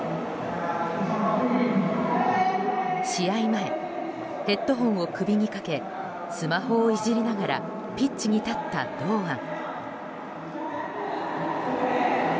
前、ヘッドホンを首にかけスマホをいじりながらピッチに立った堂安。